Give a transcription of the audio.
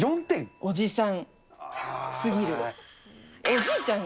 おじさんすぎる。